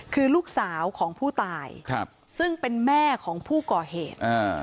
คือลูกสาวของผู้ตายซึ่งเป็นแม่ของผู้ก่อเหตุ